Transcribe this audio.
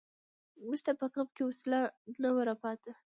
موږ ته په کمپ کې وسله نه وه را پاتې.